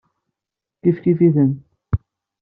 Kifkif-iten.